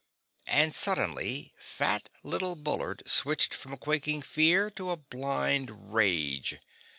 And suddenly fat little Bullard switched from quaking fear to a blind rage.